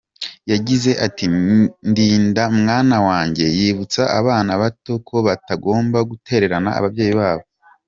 Yagize ati “Ndinda Mwana wanjye”, yibutsa abana bato ko batagomba gutererana ababyeyi babo.